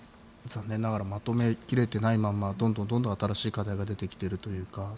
残念ながらまとめ切れていないままどんどん、どんどん新しい課題が出てきているというか。